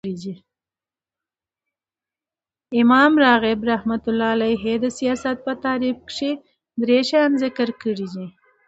امام راغب رحمة الله د سیاست په تعریف کښي درې شیان ذکر کړي دي.